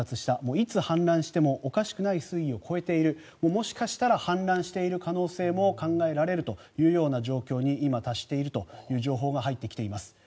いつ氾濫してもおかしくない水位を超えているもしかしたら氾濫している可能性も考えられるという状況に今、達しているという情報が入ってきています。